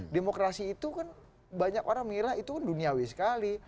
demokrasi itu kan banyak orang mira itu kan duniawi sekali